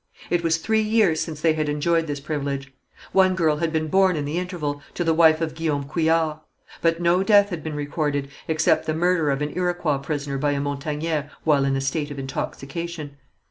It was three years since they had enjoyed this privilege. One girl had been born in the interval, to the wife of Guillaume Couillard. But no death had been recorded, except the murder of an Iroquois prisoner by a Montagnais while in a state of intoxication.